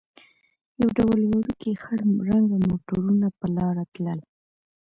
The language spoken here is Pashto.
یو ډول وړوکي خړ رنګه موټرونه پر لار تلل.